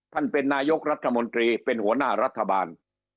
ท่านเป็นนายกรัฐมนตรีเป็นหัวหน้ารัฐบาล